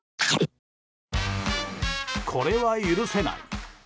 これは、許せない。